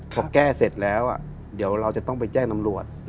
พอแก้เสร็จแล้วเดี๋ยวเราจะต้องไปแจ้งตำรวจ